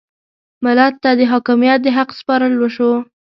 ملت ته د حاکمیت د حق سپارل وشو.